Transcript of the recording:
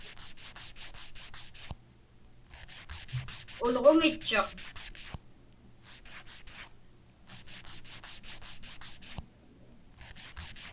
Ulġuŋitchuq.